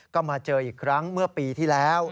ก็มาเจออีกครั้งเมื่อปีที่แล้ว